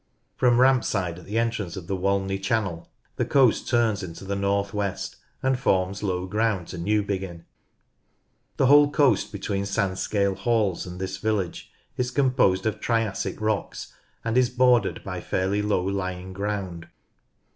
From Rampside at the entrance of the Walney channel the coast turns to the north west and forms low ground to Newbiggin. The whole coast between Sandscale Hawes and this village is composed of Triassic rocks and is bordered by fairly low lying ground.